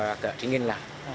agak dingin lah